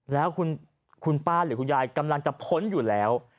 แล้วคุณป้าหรือคุณยายกำลังจะพ้นอยู่แล้ว